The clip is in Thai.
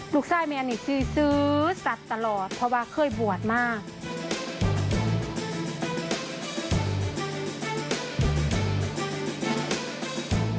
ลูกไส้แม่อันนี้ซื้อแสดตลอดเพราะว่าเคยบวชมาก